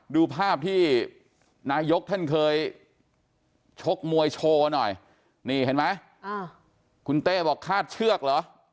ดูภาพที่นายกท่านเคยชกมวยโชว์หน่อยนี่เห็นไหมคุณเต้บอกคาดเชือกเหรอ